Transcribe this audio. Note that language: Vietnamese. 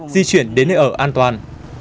di chuyển đến nơi ở an toàn